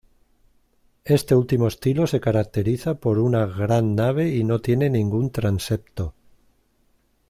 Este último estilo se caracteriza por una gran nave y no tiene ningún transepto.